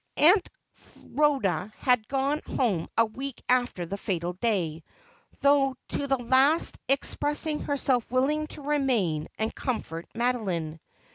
Aunt Rhoda had gone home a week after the fatal day, though to the last expressing herself willing to remain and comfort Madoline.